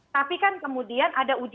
tapi kan kemudian ada uji